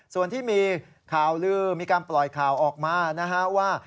ส่วนที่มีข่าวลือมีการปล่อยข่าวออกมานะฮะว่า